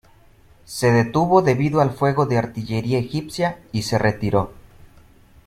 Se detuvo debido al fuego de artillería egipcia y se retiró.